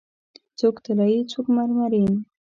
څوک طلایې، څوک مرمرین